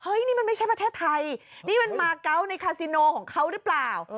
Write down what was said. นี่มันไม่ใช่ประเทศไทยนี่มันมาเกาะในคาซิโนของเขาหรือเปล่า